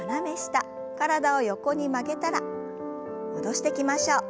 体を横に曲げたら戻してきましょう。